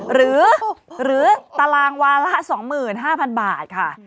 หรือตารางวาละ๒๕๐๐๐บาทค่ะ